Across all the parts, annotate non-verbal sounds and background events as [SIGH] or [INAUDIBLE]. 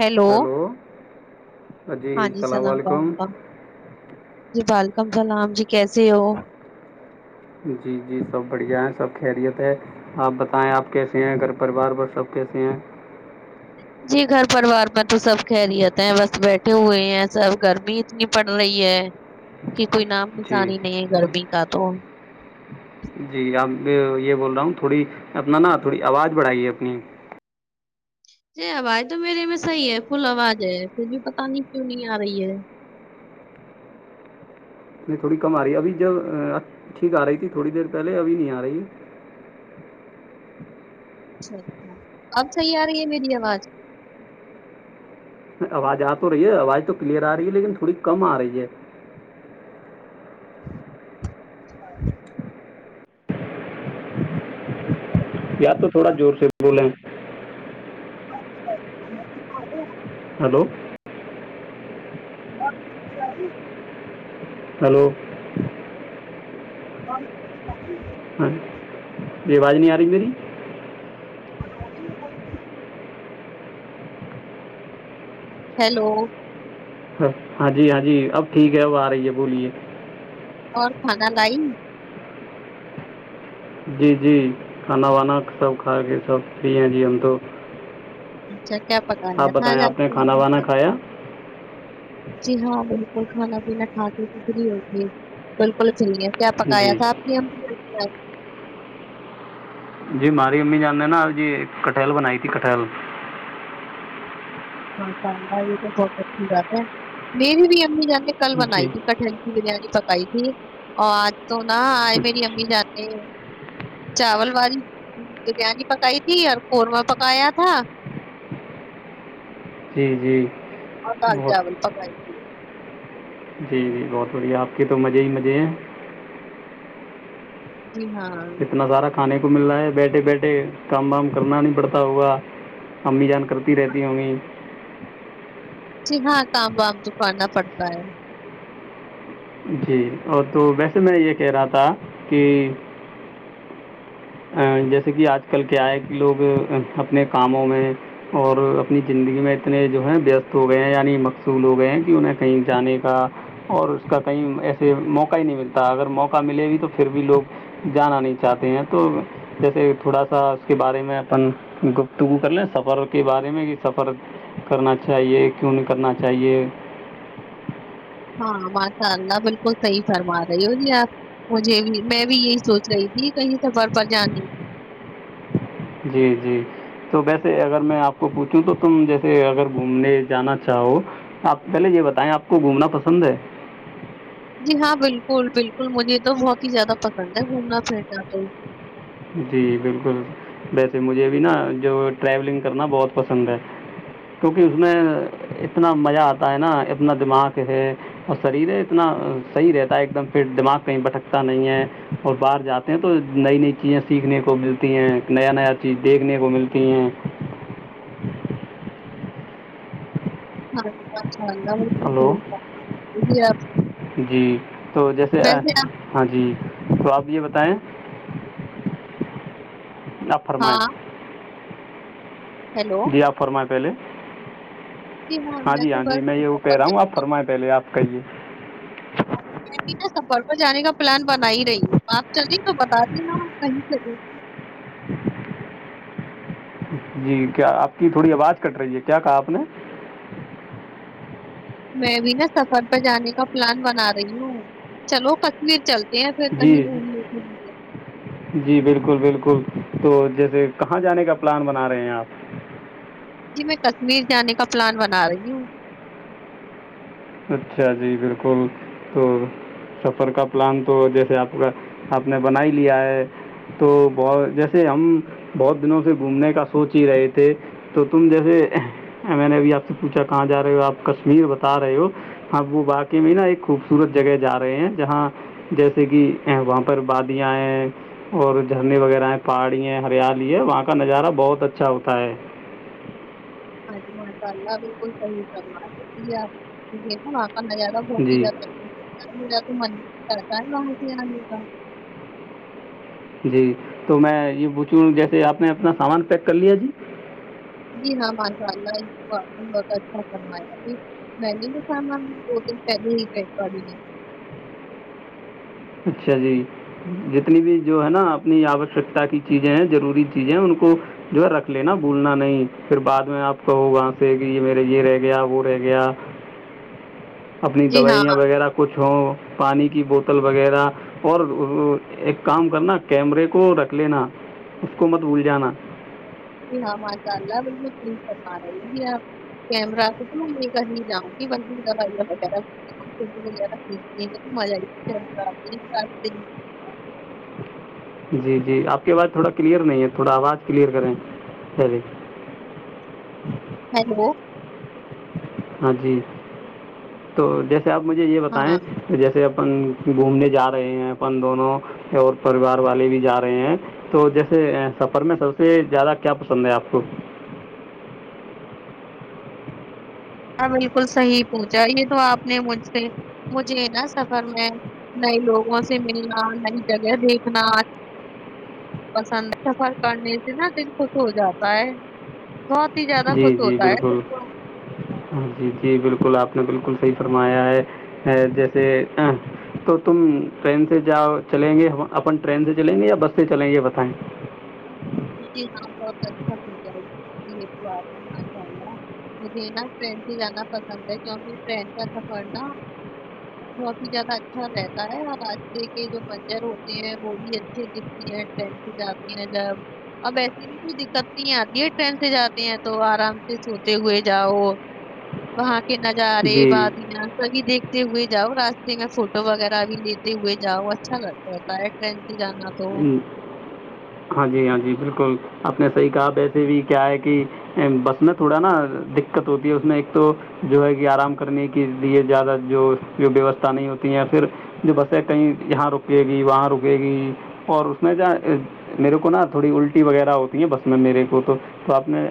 Hello ہاں hello ہاں جی سناام بالکا جی بال کم سلام جی کیسے ہو جی جی سب بڑھیا ہیں سب خیریت ہے آپ بتائیں آپ کیسے ہیں گھر پریوار پر سب کیسے ہیں جی گھر پروار میں تو سب خہرییتے ہیں بس بیٹھے ہوئے ہیں سب گرمی اتنی پڑ رہی ہے کہ کوئی نام جی آسانی ہی نہیں ہے گرمی کا تو جی اب یہ بول رہا ہوں تھوڑی اپنا نا تھوڑی آواز بڑھائی ہے اپنی جی آواز تو میرے میں صحیح ہے فل آواز ہے پھر بھی پت نہیں کیوں نہیں آ رہی ہے نہیں تھوڑی کم آ رہی ابھی جب ٹھیک آ رہی تھی تھوڑی دیر پہلے ابھی نہیں آ رہی اچھا اچ اب صحیح آ رہی ہے میری آواز آواز آ تو رہی ہے آواز تو کلیئر آ رہی ہے لیکن تھوڑی کم آ رہی ہے [INAUDIBLE] یاد تو تھوڑا زور سے بولے ہیں [INAUDIBLE] ہلو ہلو اور ہاں یہ آواز نہیں آ رہی میری ہ ہیلو [INAUDIBLE] ہاں جی ہاں جی اب ٹھیک ہے اب آ رہی ہے بولیے اور کھگا لائی جی جی کھانا وانا سب کھا کے سب فری ہیں جی ہم تو ہ اچھا کیا پتا ہےیا آپ تھا بتائیں ج آپ نے کھانا وانا کھایا جی ہاں بالکل کھانا پینا کھاتے تو فری ہوتی ہے بالکل صحیح ہے کیا جی پکایا جی تھا آپ نے ہم ہ [INAUDIBLE] جی ہماری امی جاننے ہیں نا جی کٹھل بنائی تھی کٹہل ہاں س یہ تو بہت اچھی بات ہے میری بھی امی جان کل جی بنائی تھی کٹ کی بریانی پک بائی ٹیک اور تو نہ آ میری امی جاتی چاول والی بریانی پکائی تھی اور قورمہ پکایا تھا جی جی بہت ہاںالٹول پک جی جی بہت بڑھیا آپ کے تو مزے ہی مزے ہیں [INAUDIBLE] جی ہاںاں اتنا سارا کھانے کو مل رہا ہے بیٹھے بیٹھے کام وام کرنا نہیں پڑتا ہوگا امی جان کرتی رہتی ہوں گی جی ہاں کام وام تو کرنا پڑتا ہے جی اور تو ویسے میں یہ کہہ رہا تھا کہ ا جیسے کہ آج کل کیا ہے کہ لوگ اپنے کاموں میں اور اپنی زندگی میں اتنے جو ہیں بیست ہو گئے ہیں یعنی مقصول ہو گئے ہیں کہ انہیں کہیں جانے کا اور اس کا کہیں ایسے موقع ہی نہیں ملتا اگر موقع ملے بھی تو پھر بھی لوگ جانا نہیں چاہتے ہیں تو جیسے تھوڑا سا اس کے بارے میں اپن گفتگو کر لیں سفر کے بارے میں کہ سفر کرنا چاہیے کیوں نہیں کرنا چاہیے [INAUDIBLE] ہاں ماشاء اللہ بالکل صحیح فرما رہی ہو جی آپ مجھے بھی میں بھی یہی سوچ رہی تھی کہیں سفر پر جانے جی جی تو ویسے اگر میں آپ کو پوچھوں تو تم جیسے اگر گھومنے جانا چاہو آپ پہلے یہ بتائیں آپ کو گھومنا پسند ہے جی ہاں بالکل بالکل مجھے یہ تو بہت ہی زیادہ پسند ہے گھومنا پھرنا تو جی بالکل ویسے مجھے بھی نا جو ٹریولنگ کرنا بہت پسند ہے کیونکہ اس میں اتنا مزہ آتا ہے نا اتنا دماغ ہے اور شریر ہے اتنا صحیح رہتا ہے ایک دم فٹ دماغ کہیں بھٹکتا نہیں ہے اور باہر جاتے ہیں تو نئی نئی چیزیں سیکھنے کو ملتی ہیں نیا نیا چیز دیکھنے کو ملتی ہیں ہاں ہاںگا بالک س ہلو س جی آپ جی تو جیسے ویسے آپ ہاں جی تو آپ یہ بتائیں نہ فرمائیں ہاں ہیلو جی آپ فرمائیں پہلے جی ہاں میں جی تو ہاں بس جی میں یہ سفر پہ پر رہا جانے ہوںا آ فرما پہلے آپ کہیے ن سفر پر جانے کا پلان بنا ہی رہی ہوں آپ چلیں تو بتا دینا کہیں سے جی کیا آپ کی تھوڑی آواز کٹ رہی ہے کیا کہا آپ نے میں بھی نا سفر پہ جانے کا پلان بنا رہی ہوں چلو کصویر چلتے ہیں پھر جی کہیں گھوم جی بالکل بالکل تو جیسے کہاں جانے کا پلان بنا رہے ہیں آپ جی میں کشمیر جانے کا پلان بنا رہی ہوں اچھا جی بالکل تو سفر کا پلان تو جیسے آپ کا آپ نے بنا ہی لیا ہے تو بہ جیسے ہم بہت دنوں سے گھومنے کا سوچ ہی رہے تھے تو تم جیسے میں نے ابھی آپ سے پوچھا کہاں جا رہے ہو آپ کشمیر بتا رہے ہو اب وہ واقعی میں نا ایک خوبصورت جگہ جا رہے ہیں جہاں جیسے کہ وہاں پر بادیاں ہیں اور جھرنے وغیرہ ہیں پہاڑی ہے ہریالی ہے وہاں کا نظارہ بہت اچھا ہوتا ہے آج ماشاء اللہ بالکل صحیح کرما رہےتی ار یہ ن ہارہ ہوھتی جی جاتا تو من کرتا ہے باںسا د کا جی تو میں یہ پوچھوں جیسے آپ نے اپنا سامان پیک کر لیا جی جی ہاں ماشاء اللہ اس کو آپ نے بہت اچھا کرموایا میں نے تو تھا میم دو دن پہلے ہی چیک کر د گ اچھا جی جتنی بھی جو ہے نا اپنی آوشکتا کی چیزیں ہیں جروری چیزیں ان کو جو ہے رکھ لینا بھولنا نہیں پھر بعد میں آپ کہو وہاں سے کہ یہ میرے یہ رہ گیا وہ رہ گیا اپنی جی ہاں دوائیاں وغیرہ کچھ ہووں پانی کی بوتل وغیرہ اور ایک کام کرنا کیمرے کو رکھ لینا اس کو مت بھول جانا ہاں ہاں چل ہے بالک کرما رہی گ آپ کیمر تو تو میں لے کر ہی جؤں گی وغ فوٹو وغہ کھیچنی تو م ہی جی جی آپ کی آواز تھوڑا کلیئر نہیں ہے تھوڑا آواز کلیئر کریں چلیے ہیلو ہاں جی تو جس آپ مجھے یہ ہاں بتائیں کہ جیسے اپن گھومنے جا رہے ہیں اپن دونوں اور پریوار والے بھی جا رہے ہیں تو جیسے سفر میں سب سے زیادہ کیا پسند ہے آپ کو ہاں بالکل صحیح پوچھا یہ تو آپ نے مجھ سے مجھے نا سفر میں نئے لوگوں سے ملنا نئی جگہ دیکھنا پسند سفر کرنے سے نا دن خش ہو جاتا ہے بہت ہی زیادہ جی خوش جی ہوتا ہے دل بالکل تو ہاں جی جی بالکل آپ نے بالکل صحیح فرمایا ہے جیسے تو تم ٹرین سے جاؤ چلیں گے اپن ٹرین سے چلیں گے یا بس سے چلیں گے بتائیں جی ہاں بہت اچھا پوچھا ہے. یہ تو آ ہے ماشاء اللہ مجھے نا ٹرین سے جانا پسند ہے کیونکہ ٹرین کا سفر نا بہت ہی زیادہ اچھا رہتا ہے اور راستے کے جو منظر ہوتے ہیں وہ بھی اچھے دکھتی ہیں ٹرین سے جاتی ہیں جب اب ایسے بھی کوئی دقت نہیں آتی ہے ٹرین سے جاتے ہیں تو آرام سے سوتے ہوئے جاؤ وہاں کے نظار رہے جی بعدیا سب دیک تے ہوئے جاؤ راستے میں فوٹو وغیرہ بھی لیتے ہوئے جاؤ اچھا لگ رہتا ہے ٹرین سے جانا تو ہ ہاں جی ہاں جی بالکل آپ نے صحیح کہا ویسے بھی کیا ہے کہ بس میں تھوڑا نا دقت ہوتی ہے اس میں ایک تو جو ہے کہ آرام کرنے کے لیے زیادہ جو جو ویوستھا نہیں ہوتی ہے یا پھر جو بس ہے کہیں یہاں رکے گی وہاں رکے گی اور اس میں کیا میرے کو نا تھوڑی الٹی وغیرہ ہوتی ہے بس میں میرے کو تو تو آپ نے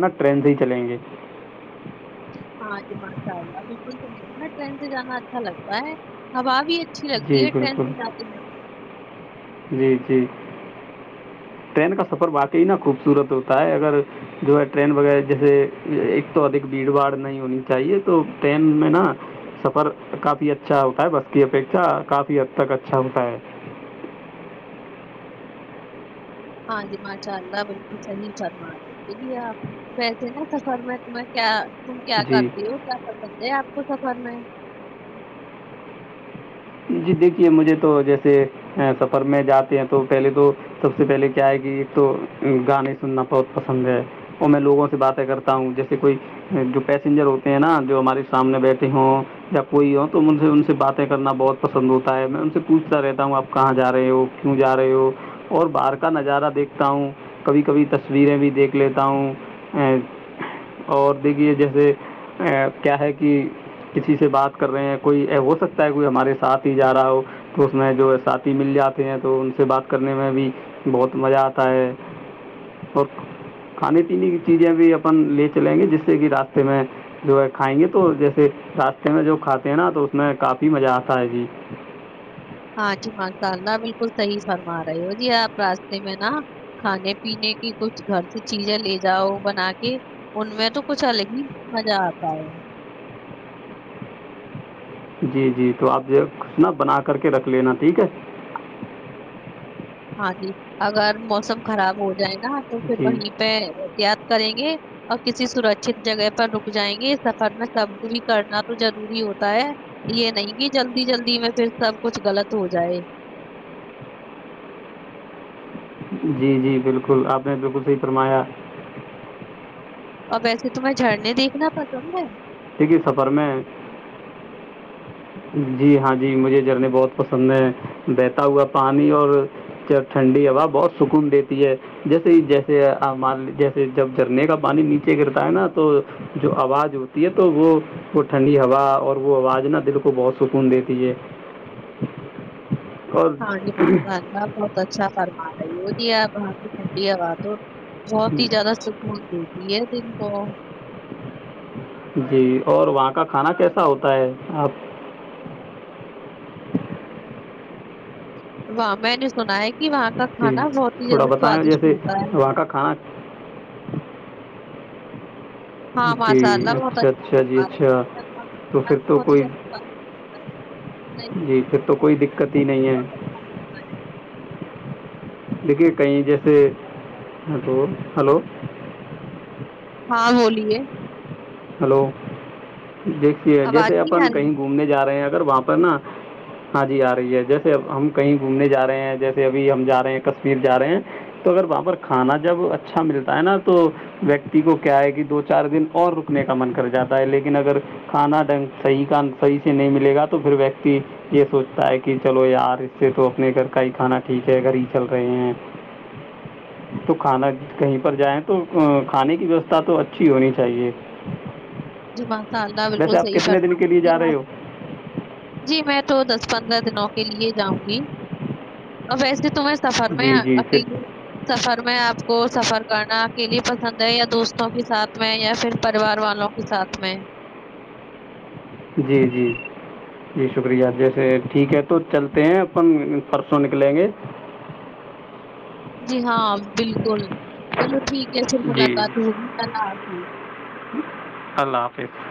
نا ٹرین سے ہی چلیں گے ہاں جی ماشاء اللہ بالکل سےل نا ٹرین سے جانا اچھا لگتا ہے ہوا بھی ا اچھی لگتی جی ہے ٹرین سے بالکل ل جی جی ٹرین کا سفر واقعی نا خوبصورت ہوتا ہے اگر جو ہے ٹرین وغیرہ جیسے ایک تو ادھ بھیڑ باڑ نہیں ہونی چاہیے تو ٹرین میں نا سفر کافی اچھا ہوتا ہے بس کی اپیکھا کافی حد تک اچھا ہوتا ہے ہاں جی ماشاء اللہ بالکل صحیح فرما رہی ج آپ ویسے نا سفر میں تمہیں کیا تم کیا جی کرتی ہو کیا پسند ہے آ کو سب [INAUDIBLE] جی دیکھیے مجھے تو جیسے سفر میں جاتے ہیں تو پہلے تو سب سے پہلے کیا آئے گی تو گانے سننا بہت پسند ہے اور میں لوگوں سے باتیں کرتا ہوں جیسے کوئی جو پیسنجر ہوتے ہیں نا جو ہمارے سامنے بیٹھے ہوں یا کوئی ہو تو ان سے ان سے باتیں کرنا بہت پسند ہوتا ہے میں ان سے پوچھتا رہتا ہوں آپ کہاں جا رہے ہو کیوں جا رہے ہو اور باہر کا نظارہ دیکھتا ہوں کبھی کبھی تصویریں بھی دیکھ لیتا ہوں ا اور دیکھیے جیسے کیا ہے کہ کسی سے بات کر رہے ہیں کوئی ہو سکتا ہے کوئی ہمارے ساتھ ہی جا رہا ہو تو اس میں جو ہے ساتھی مل جاتے ہیں تو ان سے بات کرنے میں بھی بہت مزہ آتا ہے اور کھانے پینے کی چیزیں بھی اپن لے چلیں گے جس سے کہ راستے میں جو ہے کھائیں گے تو جیسے راستے میں جو کھاتے ہیں نا تو اس میں کافی مزہ آتا ہاں جی ہاں جی مشاء اللہ بالکل صحیح فرما رہے ہو جی آپ راستے میں نا کھانے پینے کی کچھ گھر سے چیزیں لے جاؤ بنا کے ان میں تو کچھ الگ ہی مزہ آتا ہے جی جی تو آپ جو کچ نا بنا کر کے رکھ لینا ٹھیک ہے ہاں جی اگر موسم خراب ہو جائے نا تو پھر جی وہیں پہ احتیاط کریں گے اور کسی سرکچت جگہ پر رک جائیں گے اس سفر میں سب بھی کرنا تو ضروری ہوتا ہو ہے یہ نہیں گ جلدی جلدی میں پھر سب کچھ غلط ہو جائے جی جی بالکل آپ نے بالکل صحی فرمایا اور ویسے تمہیں جھرنے دیکھنا پسند ہے یک ہی سفر میں جی ہاں جی مجھے جھرنے بہت پسند ہیں بہتا ہوا پانی اور ٹھنڈی ہوا بہت سکون دیتی ہے جیسے ہی جیسے جیسے جب جھرنے کا پانی نیچے گرتا ہے نا تو جو آواز ہوتی ہے تو وہ وہ ٹھنڈی ہوا اور وہ آواز نا دک کو بہت سکون دیتی ہے اور ہاں جی مانء اللہ بہت اچھا فمار سی ہو ت آپ باں کی ٹھنڈی ہووا تو بہت ہی زیادہ سکون ت یہ دن کو جی اور وہاں کا کھانا کیسا ہوتا ہے آپ واہ میں نے سنا ہے کہ وہاں کا جی کھانا بہت ہی تھوڑا زیادہ بتائیں سوادشٹ جیسے ہوتا ہے وہاں کا کھانا ہاں پانچ جی سال اچھا اچھا جی اچھا بتچھا تو پھر تو کوئی جی پھر تو کوئی دقت ہی نہیں ہے دیکھیے کہیں جیسے ہ تو ہلو ہاں بولیے ہلو دیکھیے آواز جیسے نہیں آ اپن رہی کہیں گھومنے جا رہے ہیں اگر وہاں پر نا ہاں جی آ رہی ہے جیسے ہم کہیں گھومنے جا رہے ہیں جیسے ابھی ہم جا رہے ہیں کشمیر جا رہے ہیں تو اگر وہاں پر کھانا جب اچھا ملتا ہے نا تو ویکتی کو کیا ہے کہ دو چار دن اور نے کا من کر جاتا ہے لیکن اگر کھانا ڈنگحیح کا صحیح سے نہیں ملے گا تو پھر ویکتی یہ سوچتا ہے کہ چلو یار اس سے تو اپنے گھر کا ہی کھانا ٹھیک ہے گھر ہی چل رہے ہیں تو کھانا کہیں پر جائیں تو کھانے کی ویوستھا تو اچھی ہونی چاہیے جمات خالدہ ویسے بالکل آپ صحیح کتنے فرما دن کے لیے جا رہی رہے آپ ہو جی میں تو دسویں پندرہ دنوں کے لیے جاؤں گی اب ویسے تو تمیں سفر میں جی جی پھر اکیلے سفر میں آپ کو سفر جانا اکیلے پسند ہے یا دوست تو کے ساتھ میں یا پھر پریوار والوں کے ساتھ میں جی جی جی شکریہ جیسے ٹھیک ہے تو چلتے ہیں اپن پرسوں نکلیں گے جی ہاں بالکل چلو ٹھیک ہے پھر جی ملاقات ہوگی اللہ حافظ اللہ حافظ